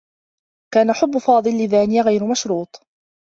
كان حبّ فاضل لدانية غير مشروط.